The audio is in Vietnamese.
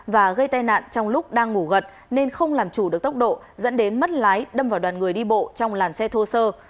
và gây tai nạn trong lúc đang ngủ gật nên không làm chủ được tốc độ dẫn đến mất lái đâm vào đoàn người đi bộ trong làn xe thô sơ